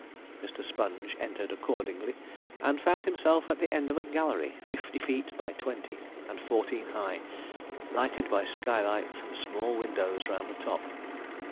Mr. Sponge entered accordingly, and found himself at the end of a gallery fifty feet by twenty, and fourteen high, lighted by skylights and small windows round the top.